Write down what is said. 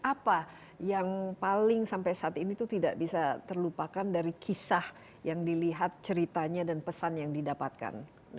apa yang paling sampai saat ini tuh tidak bisa terlupakan dari kisah yang dilihat ceritanya dan pesan yang didapatkan